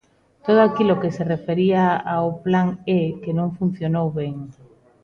Todo aquilo que se refería ao Plan E, que non funcionou ben.